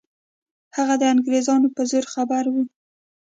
هغه د انګریزانو په زور خبر وو.